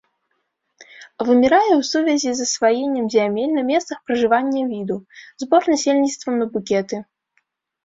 Вымірае ў сувязі з засваеннем зямель на месцах пражывання віду, збор насельніцтвам на букеты.